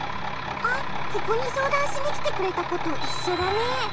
あっここにそうだんしにきてくれたこといっしょだね。